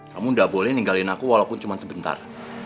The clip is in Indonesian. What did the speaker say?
kamu tidak boleh ninggalin aku walaupun cuma sebentar